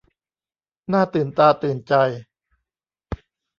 น่าตื่นตาตื่นใจ